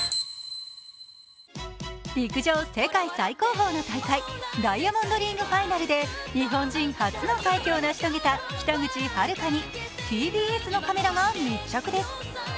陸上・世界最高峰の大会、ダイヤモンドリーグファイナルで日本人初の快挙を成し遂げた北口榛花にＴＢＳのカメラが密着です。